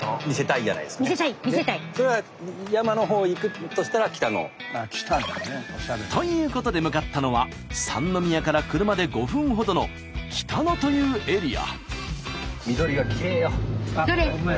いいですよね。ということで向かったのは三宮から車で５分ほどの北野というエリア。